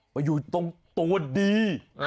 ไปอยู่ตรงตัวดี